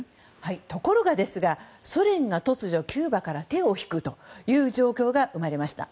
ところがソ連が突如、キューバから手を引くという状況が生まれました。